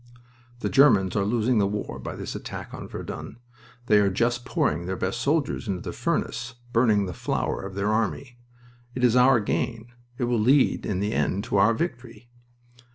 "The Germans are losing the war by this attack on Verdun. They are just pouring their best soldiers into the furnace burning the flower of their army. It is our gain. It will lead in the end to our victory."